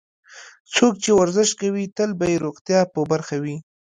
څوک چې ورزش کوي، تل به یې روغتیا په برخه وي.